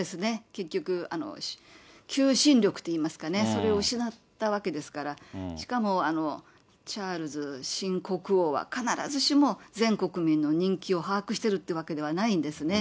結局、求心力といいますかね、それを失ったわけですから、しかも、チャールズ新国王は、必ずしも全国民の人気を把握しているというわけではないんですね。